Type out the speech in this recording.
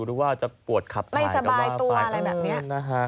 หรือว่าจะปวดขับถ่ายกันมากขึ้นนะคะ